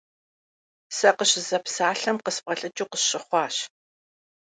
Сэ къыщызэпсалъэм къысфӀэлӀыкӀыу къысщыхъуащ.